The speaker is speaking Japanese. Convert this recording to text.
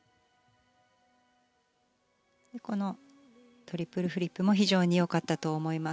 このトリプルフリップも非常によかったと思います。